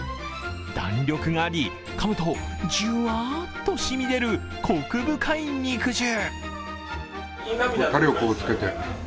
弾力があり、かむとじゅわーっと染み出るこく深い肉汁。